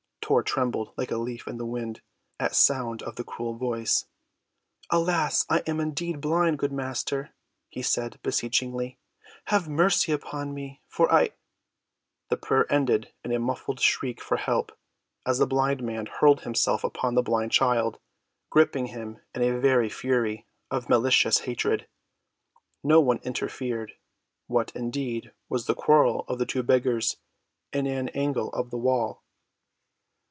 Tor trembled like a leaf in the wind at sound of the cruel voice. "Alas, I am indeed blind, good master," he said beseechingly. "Have mercy upon me, for I—" The prayer ended in a muffled shriek for help as the blind man hurled himself upon the blind child, griping him in a very fury of malicious hatred. No one interfered. What, indeed, was the quarrel of two beggars in an angle of the wall?